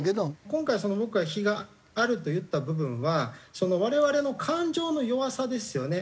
今回僕が非があると言った部分は我々の感情の弱さですよね。